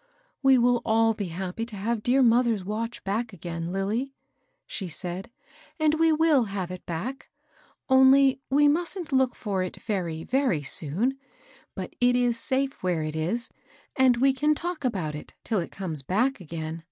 •* We wffl dl be happy to have dear motiier's watch back again, Lilly," she said ;^^ and We iffiU have it back ; only we mustn't took for it veiy. Very soon. But it is safe where it is, and we 'Can talk about it till it comes ba<^ again."